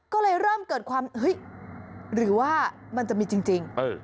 ก็เลยเริ่มเกิดความเฮ้ยหรือว่ามันจะมีจริง